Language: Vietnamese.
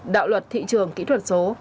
đạo luật thị trường kỹ thuật số dma